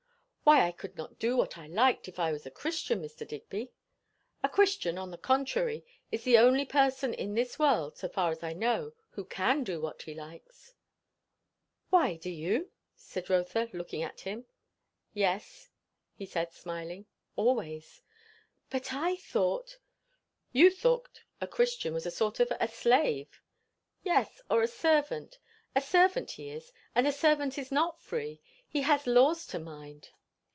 "Why, I could not do what I liked if I was a Christian, Mr. Digby?" "A Christian, on the contrary, is the only person in this world, so far as I know, who can do what he likes." "Why, do you?" said Rotha, looking at him. "Yes," said he smiling. "Always." "But I thought " "You thought a Christian was a sort of a slave." "Yes. Or a servant. A servant he is; and a servant is not free. He has laws to mind."